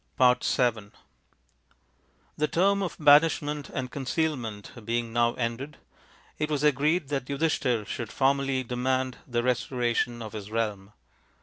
VII The term of banishment and concealment being now ended, it was agreed that Yudhishthir should formally demand the restoration of his realm.